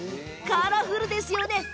カラフルですね。